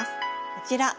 こちら。